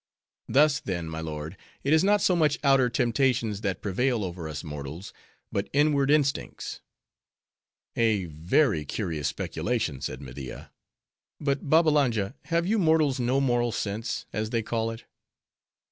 Thus, then, my lord, it is not so much outer temptations that prevail over us mortals; but inward instincts." "A very curious speculation," said Media. But Babbalanja, have you mortals no moral sense, as they call it?"